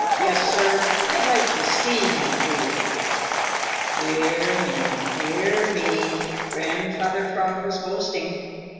Yes, Sir, I'd like to see him do it again!" Dear me, dear me! Grandfather Frog was boasting.